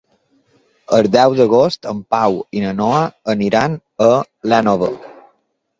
El deu d'agost en Pau i na Noa aniran a l'Énova.